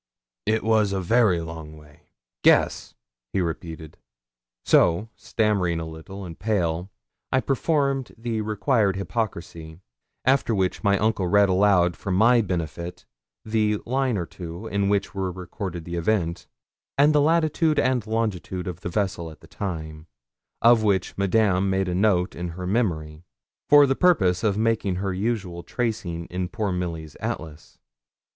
'It was a very long way. Guess!' he repeated. So, stammering a little and pale, I performed the required hypocrisy, after which my uncle read aloud for my benefit the line or two in which were recorded the event, and the latitude and longitude of the vessel at the time, of which Madame made a note in her memory, for the purpose of making her usual tracing in poor Milly's Atlas.